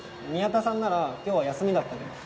宮田さんなら今日は休みだったけど。